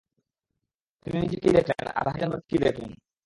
তিনি নিজে কী দেখলেন, আর হাইজেনবার্গ কী দেখলেন।